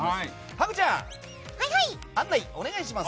ハグちゃん、案内お願いします。